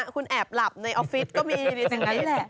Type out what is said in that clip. คุณแอบหลับในออฟฟิศก็มีดีจริงแหละ